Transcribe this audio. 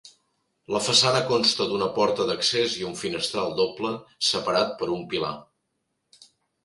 La façana consta d'una porta d'accés i un finestral doble separat per un pilar.